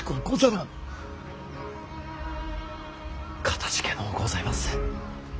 かたじけのうございます。